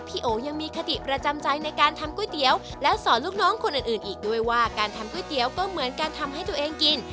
โอยังมีคติประจำใจในการทำก๋วยเตี๋ยวและสอนลูกน้องคนอื่นอีกด้วยว่าการทำก๋วยเตี๋ยวก็เหมือนการทำให้ตัวเองกิน